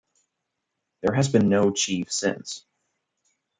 There has been no Chief since.